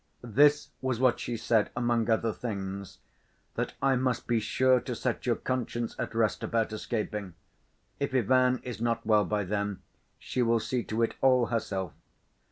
"This was what she said among other things; that I must be sure to set your conscience at rest about escaping. If Ivan is not well by then she will see to it all herself."